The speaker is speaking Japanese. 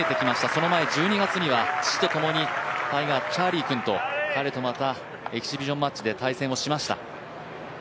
その前、１２月には父とともに、チャーリー君と、彼とまたエキシビションマッチで対戦をしました。